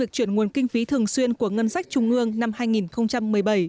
việc chuyển nguồn kinh phí thường xuyên của ngân sách trung ương năm hai nghìn một mươi bảy